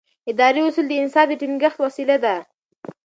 اداري اصول د انصاف د ټینګښت وسیله ده.